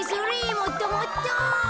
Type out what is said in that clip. もっともっと。